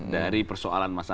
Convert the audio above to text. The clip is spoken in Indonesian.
dari persoalan masalah